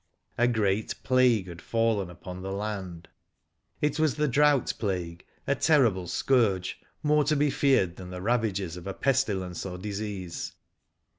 A great plague had fallen upon the land. It was the drought plague, a terrible scourge, more to be feared than the ravages of a pestilence or disease.